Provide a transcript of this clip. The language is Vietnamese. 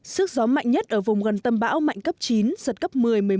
sức gió mạnh nhất ở vùng gần tầm bão mạnh cấp chín sật cấp một mươi một mươi một